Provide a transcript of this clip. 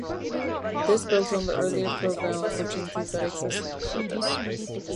This built on the earlier programme opportunities that existed before this.